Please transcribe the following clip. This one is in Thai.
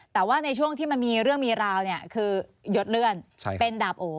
แต่ว่าในช่วงที่มันมีเรื่องมีราวเนี่ยคือยดเลื่อนเป็นดาบโอ